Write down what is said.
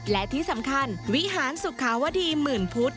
และที่สำคัญวิหารสุขาวดีหมื่นพุทธ